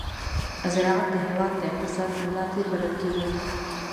ز راعت د هېواد د اقتصاد د ملا تېر بلل کېږي.